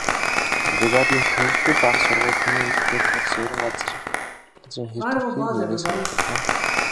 Бригадын төвд бага сургууль, хүний эмнэлэгтэй тул суурин газрын хэр төрхийг нэгнээ санагдуулна.